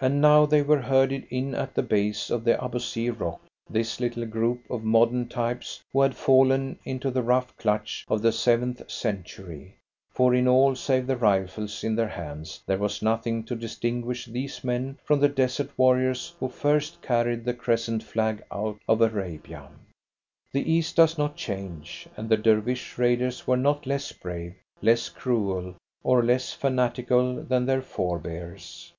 And now they were herded in at the base of the Abousir rock, this little group of modern types who had fallen into the rough clutch of the seventh century for in all save the rifles in their hands there was nothing to distinguish these men from the desert warriors who first carried the crescent flag out of Arabia. The East does not change, and the Dervish raiders were not less brave, less cruel, or less fanatical than their forebears.